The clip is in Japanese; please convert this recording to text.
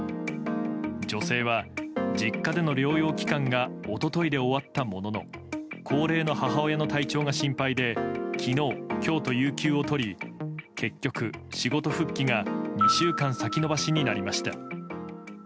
女性は実家での療養期間が一昨日で終わったものの高齢の母親の体調が心配で昨日、今日と有休を取り結局仕事復帰が２週間先延ばしになりました。